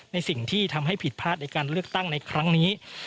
สิ่งที่ทำให้ผิดพลาดในการเลือกตั้งในครั้งนี้